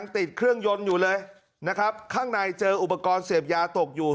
ติดเครื่องยนต์อยู่เลยนะครับข้างในเจออุปกรณ์เสพยาตกอยู่